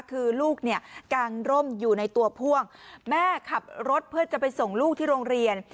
คือลูกเนี่ยกางร่มอยู่ในตัวพ่วงแม่ขับรถเพื่อจะไปส่งลูกที่โรงเรียน